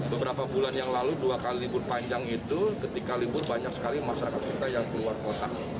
beberapa bulan yang lalu dua kali libur panjang itu ketika libur banyak sekali masyarakat kita yang keluar kota